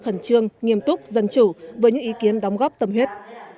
khẩn trương nghiêm túc dân chủ với những ý kiến đóng góp tâm huyết